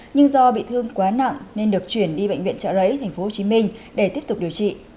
nhưng do bị thương quá nặng nên được chuyển đi bệnh viện trợ rẫy tp hcm để tiếp tục điều trị